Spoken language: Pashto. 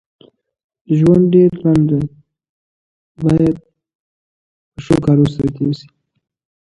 فعال او ويښ اوسئ.